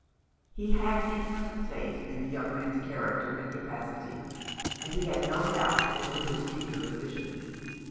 He had infinite faith in the young man's character and capacity ; and he had no doubt as to his future position.